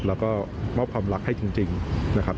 แล้วก็มอบความรักให้จริงนะครับ